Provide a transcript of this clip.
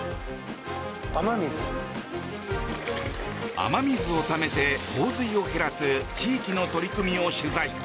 雨水をためて洪水を減らす地域の取り組みを取材。